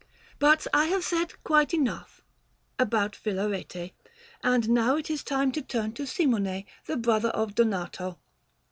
But I have said quite enough about Filarete, and it is now time to turn to Simone, the brother of Donato.